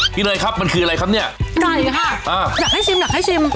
เนยครับมันคืออะไรครับเนี่ยไก่ค่ะอ่าอยากให้ชิมอยากให้ชิม